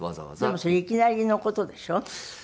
でもそれいきなりの事でしょ？